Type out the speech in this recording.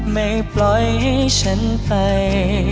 ไม่ปล่อยให้ฉันไป